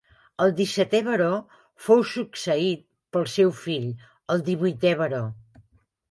El dissetè baró fou succeït pel seu fill, el divuitè baró.